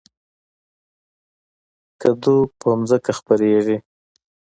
کدو په ځمکه خپریږي